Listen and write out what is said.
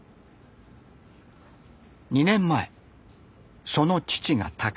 ２年前その父が他界。